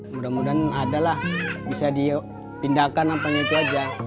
mudah mudahan ada lah bisa dipindahkan apanya itu aja